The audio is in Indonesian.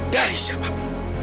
dari siapa pun